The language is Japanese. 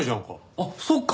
あっそうか。